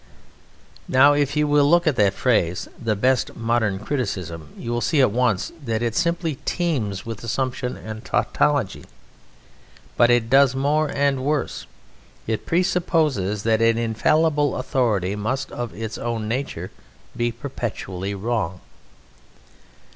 Now if you will look at that phrase "The Best Modern Criticism" you will see at once that it simply teems with assumption and tautology. But it does more and worse: it presupposes that an infallible authority must of its own nature be perpetually wrong.